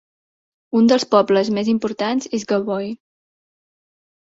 Un dels pobles més importants és Gavoi.